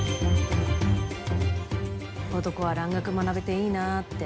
男は蘭学学べていいなぁって。